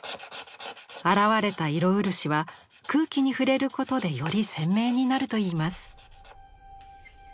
現れた色漆は空気に触れることでより鮮明になるといいます。